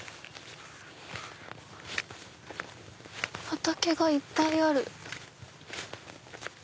畑がいっぱいある。